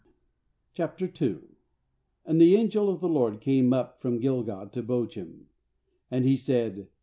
O And the angel of the LORD came up from Gilgal to Bochim. And he said